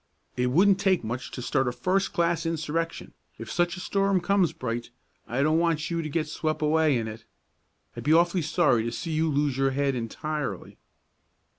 It wouldn't take much to start a first class insurrection. If such a storm comes, Bright, I don't want you to get swept away in it. I'd be awfully sorry to see you lose your head entirely."